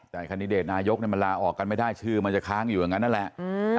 แต่คันดิเดตนายกมันลาออกกันไม่ได้ชื่อมันจะค้างอยู่อย่างนั้นนั่นแหละ